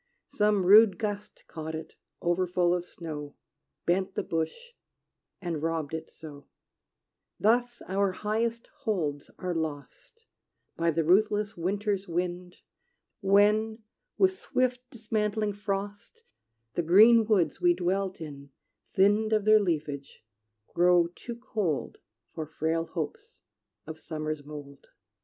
Some rude gust Caught it, over full of snow, Bent the bush, and robbed it so Thus our highest holds are lost, By the ruthless winter's wind, When, with swift dismantling frost, The green woods we dwelt in, thinn'd Of their leafage, grow too cold For frail hopes of summer's mold.